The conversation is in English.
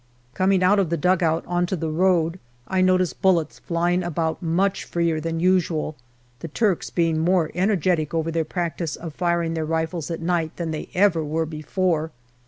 Coming out of the dugout on to the road, I notice bullets flying about much freer than usual, the Turks being more energetic over their practice of firing then* rifles at night than they ever were before.